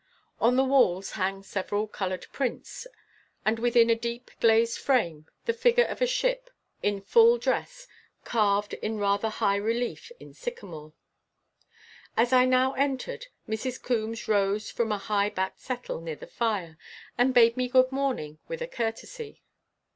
On the walls hang several coloured prints, and within a deep glazed frame the figure of a ship in full dress, carved in rather high relief in sycamore. As I now entered, Mrs. Coombes rose from a high backed settle near the fire, and bade me good morning with a courtesy.